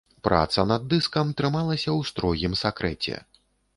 Праца над дыскам трымалася ў строгім сакрэце.